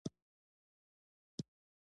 ځینې محصلین د ازموینو پر مهال ستړي کېږي.